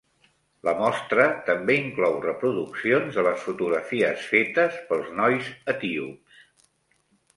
La mostra també inclou reproduccions de les fotografies fetes pels nois etíops.